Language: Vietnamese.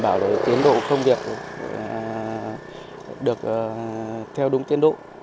bảo đảm tiến độ công việc được theo đúng tiến độ